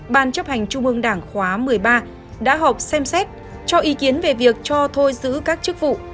ban chấp hành trung ương đảng khóa một mươi ba đã họp xem xét cho ý kiến về việc cho thôi giữ các chức vụ